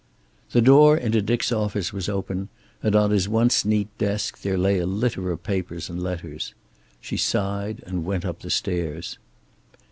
The door into Dick's office was open, and on his once neat desk there lay a litter of papers and letters. She sighed and went up the stairs.